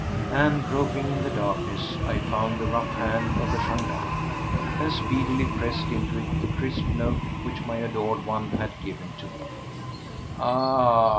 And, groping in the darkness, I found the rough hand of the gendarme, and speedily pressed into it the crisp note which my adored one had given to me. "Ah!"